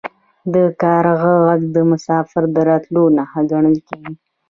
د کارغه غږ د مسافر د راتلو نښه ګڼل کیږي.